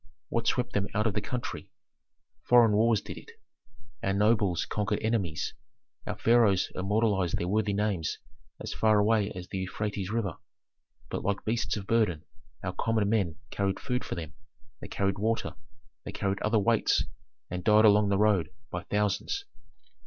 What swept them out of the country? Foreign wars did it. Our nobles conquered enemies, our pharaohs immortalized their worthy names as far away as the Euphrates River, but like beasts of burden our common men carried food for them, they carried water, they carried other weights, and died along the road by thousands.